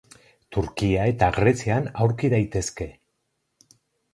Turkia eta Grezian aurki daitezke.